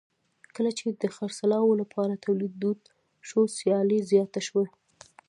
کله چې د خرڅلاو لپاره تولید دود شو سیالي زیاته شوه.